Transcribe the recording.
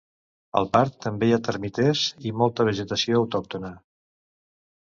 Al parc també hi ha termiters i molta vegetació autòctona.